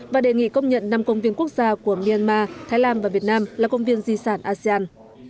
và đề nghị công nhận năm công viên quốc gia của myanmar thái lan và việt nam là công viên di sản asean